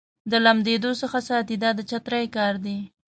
د لمدېدو څخه ساتي دا د چترۍ کار دی.